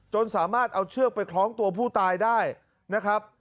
จนสามารถเอาเชือกไปคล้องตัวผู้ตายได้นะครับ